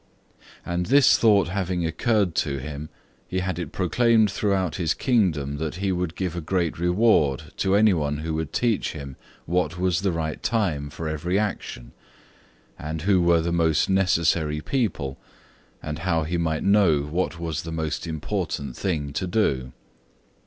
And this thought having occurred to him, he had it proclaimed throughout his kingdom that he would give a great reward to any one who would teach him what was the right time for every action, and who were the most necessary people, and how he might know what was the most important thing to do.